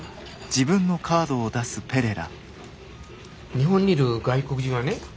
日本にいる外国人はね